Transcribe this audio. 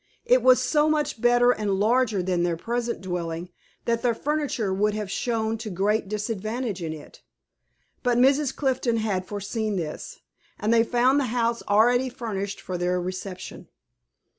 It was so much better and larger than their present dwelling, that their furniture would have shown to great disadvantage in it. But Mrs. Clifton had foreseen this, and they found the house already furnished for their reception.